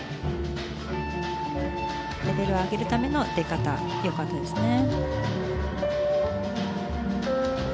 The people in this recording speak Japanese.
レベルを上げるための出方よかったですね。